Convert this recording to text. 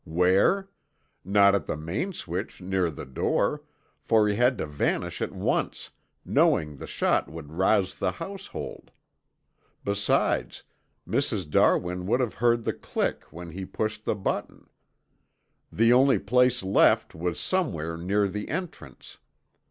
Where? Not at the main switch near the door, for he had to vanish at once, knowing the shot would rouse the household. Besides, Mrs. Darwin would have heard the click when he pushed the button. The only place left was somewhere near the entrance.